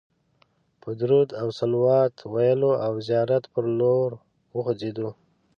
په درود او صلوات ویلو د زیارت پر لور وخوځېدو.